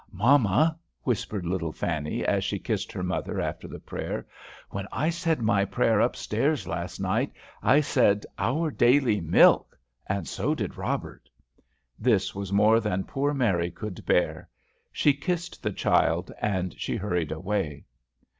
"Mamma," whispered little Fanny, as she kissed her mother after the prayer, "when I said my prayer up stairs last night, I said 'our daily milk,' and so did Robert." This was more than poor Mary could bear. She kissed the child, and she hurried away.